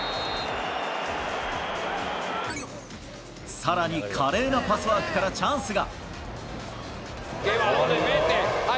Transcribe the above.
さらに華麗なパスワークからチャンスが。